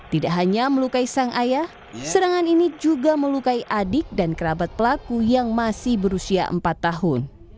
tidak hanya melukai sang ayah serangan ini juga melukai adik dan kerabat pelaku yang masih berusia empat tahun